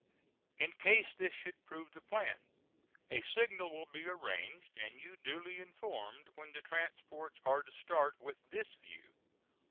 In case this should prove the plan, a signal will be arranged and you duly informed, when the transports are to start with this view.